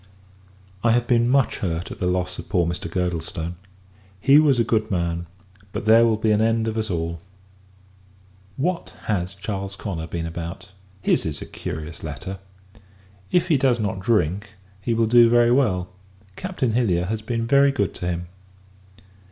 I have been much hurt at the loss of poor Mr. Girdlestone! He was a good man; but there will be an end of us all. What has Charles Connor been about? His is a curious letter! If he does not drink, he will do very well. Captain Hilliar has been very good to him.